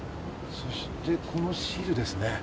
そしてこのシールですね。